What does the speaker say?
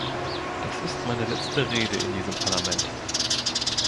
Das ist meine letzte Rede in diesem Parlament.